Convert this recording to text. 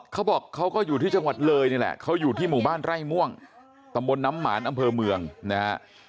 เขาบอกเขาก็อยู่ที่จังหวัดเลยนี่แหละเขาอยู่ที่หมู่บ้านไร่ม่วงตำบลน้ำหมานอำเภอเมืองนะฮะ